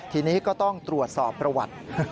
ทีนี้ก็ต้องตรวจสอบประวัติ